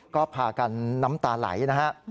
ก็พากันน้ำตาไหลนะฮะ